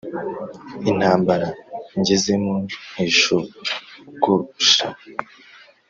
intambara ngezemo ntishogosha